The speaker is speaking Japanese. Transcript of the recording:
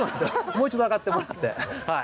もう一度上がってもらって。